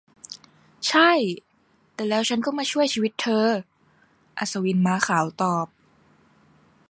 'ใช่ แต่แล้วฉันก็มาช่วยชีวิตเธอ !' อัศวินม้าขาวตอบ